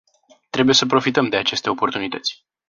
Trebuie să profităm de aceste oportunități!